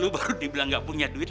lu baru dibilang gak punya duit